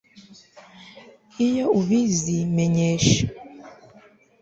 Iyo ubizi menyesha